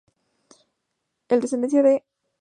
Es descendiente de padres finlandeses e italianos Católicos.